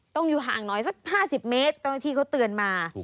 ต้องอยู่ห่างน้อยสัก๕๐เมตรตอนที่เขาเตือนมา